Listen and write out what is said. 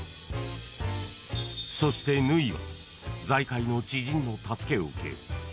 ［そして縫は財界の知人の助けを受け］